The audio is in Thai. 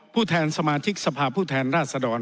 แทนสมาชิกสภาพผู้แทนราชดร